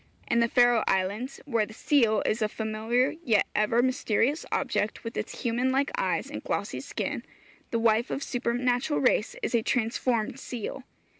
In the Faro Islands, where the seal is a familiar yet ever mysterious object, with its human like eyes, and glossy skin, the wife of supernatural race is a transformed seal.